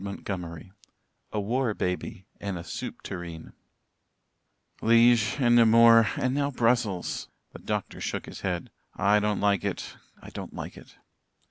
CHAPTER VII A WAR BABY AND A SOUP TUREEN "Liege and Namur and now Brussels!" The doctor shook his head. "I don't like it I don't like it."